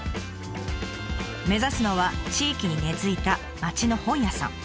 目指すのは地域に根づいた町の本屋さん。